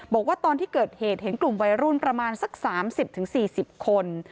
บอกว่าตอนที่เกิดเหตุเห็นกลุ่มวัยรุ่นประมาณสัก๓๐๔๐คน